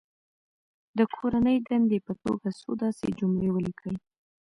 د کورنۍ دندې په توګه څو داسې جملې ولیکي.